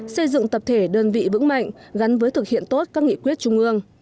xây dựng tập thể đơn vị vững mạnh gắn với thực hiện tốt các nghị quyết trung ương